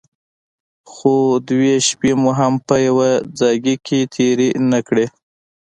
خو دوې شپې مو هم په يوه ځايگي کښې تېرې نه کړې.